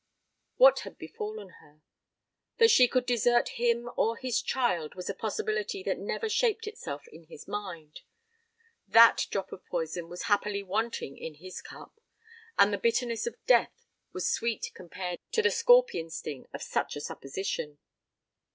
What had befallen her? That she could desert him or his child was a possibility that never shaped itself in his mind. That drop of poison was happily wanting in his cup; and the bitterness of death was sweet compared to the scorpion sting of such a supposition.